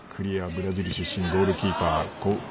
ブラジル出身のゴールキーパー。